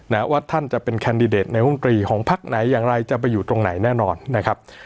ว่าท่านจะเป็นแคนดิเดตในวงกรีของพักไหนอย่างไรจะไปอยู่ตรงไหนแน่นอนนะครับ